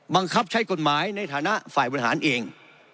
บังคับใช้กฎหมายในฐานะฝ่ายบริหารเอง